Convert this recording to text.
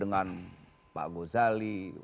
beberapa gitu kan influenc downloads